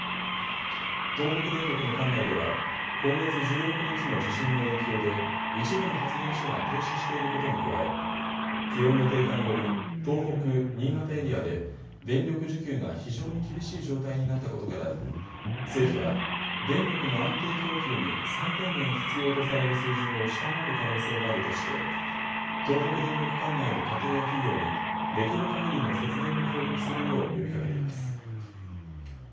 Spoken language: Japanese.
東北電力の管内では、今月１６日の地震の影響で一部の発電所が停止していることに加え気温の低下により東北・新潟エリアで電力需給が非常に厳しい状態になったことから政府は電力の安定供給に最低限必要とされる水準を下回る可能性があるとして東北電力管内の家庭や企業にできるかぎりの節電に協力するよう呼びかけています。